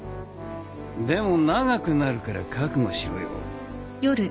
でも長くなるから覚悟しろよ。